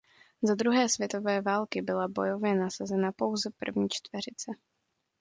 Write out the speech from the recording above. Za druhé světové války byla bojově nasazena pouze první čtveřice.